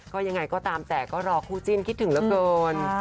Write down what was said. ก็ยังไงก็ตามแต่ก็รอคู่จิ้นคิดถึงเหลือเกิน